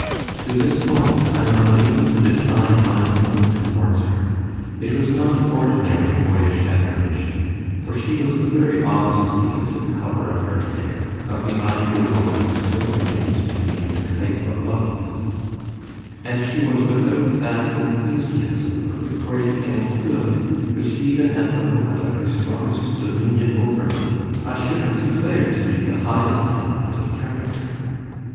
To this moment I am unable to define my feeling towards her: it was not ordinary boyish admiration, for she was the very opposite, even to the colour of her hair, of the ideal woman who still remained to me the type of loveliness; and she was without that enthusiasm for the great and good, which, even at the moment of her strongest dominion over me, I should have declared to be the highest element of character.